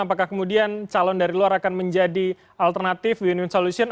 apakah kemudian calon dari luar akan menjadi alternatif win win solution